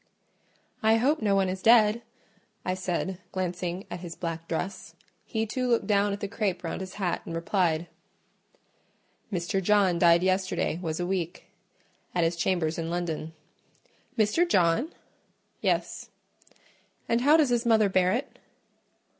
"I hope no one is dead," I said, glancing at his black dress. He too looked down at the crape round his hat and replied— "Mr. John died yesterday was a week, at his chambers in London." "Mr. John?" "Yes." "And how does his mother bear it?"